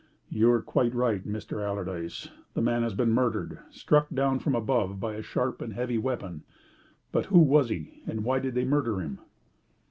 "You are quite right, Mr. Allardyce. The man has been murdered struck down from above by a sharp and heavy weapon. But who was he, and why did they murder him?"